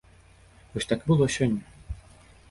Вось так і было сёння!